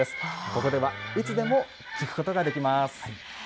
ここではいつでも聴くことができます。